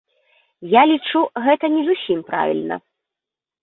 Я лічу, гэта не зусім правільна.